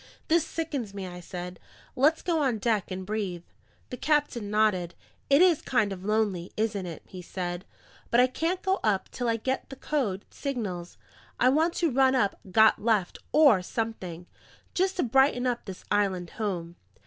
"This sickens me," I said. "Let's go on deck and breathe." The captain nodded. "It IS kind of lonely, isn't it?" he said. "But I can't go up till I get the code signals. I want to run up 'Got Left' or something, just to brighten up this island home.